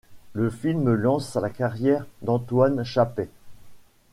Le film lance la carrière d'Antoine Chappey.